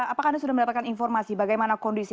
apakah anda sudah mendapatkan informasi bagaimana kondisi